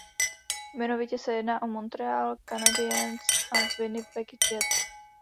Jmenovitě se jedná o Montreal Canadiens a Winnipeg Jets.